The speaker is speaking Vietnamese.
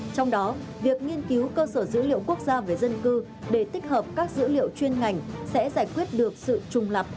trong đó việc nghiên cứu cơ sở dữ liệu quốc gia về dân cư để tích hợp các dữ liệu chuyên ngành sẽ giải quyết được sự trùng lập